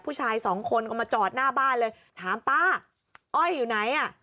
ผู้ชายสองคนก็มาจอดหน้าบ้านเลยถามป้าอ้อยอยู่ไหนอ่ะ